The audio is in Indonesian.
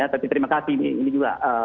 tapi terima kasih ini juga